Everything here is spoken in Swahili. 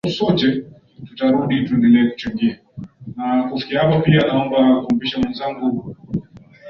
maziwa makubwa zaidi ya Ulaya Majiji mawili